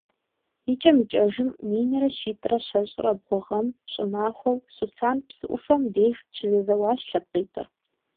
Икӏэм-икӏэжым минрэ щитӏрэ щэщӏрэ бгъу гъэм, щӏымахуэу, Сусан псы ӏуфэм деж щызэзэуащ лъэпкъитӏыр.